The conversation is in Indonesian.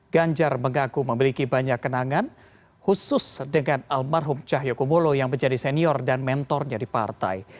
ganjar mengaku memiliki banyak kenangan khusus dengan almarhum cahyokumolo yang menjadi senior dan mentornya di partai